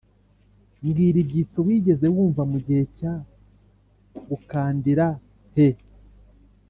mbwira ibyitso wigeze wumva ku gihe cya gukandira he